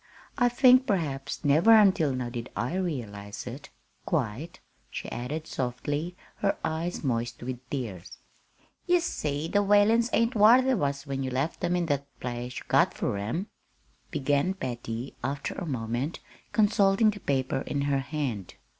"I think perhaps never until now did I realize it quite," she added softly, her eyes moist with tears. "Ye see the Whalens ain't whar they was when you left 'em in that nice place you got fur 'em," began Patty, after a moment, consulting the paper in her hand.